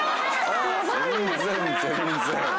全然全然。